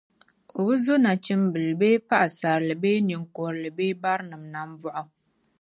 o bi zo nachimbil’ bee paɣisarili bee ninkurili bee barinim’ nambɔɣu.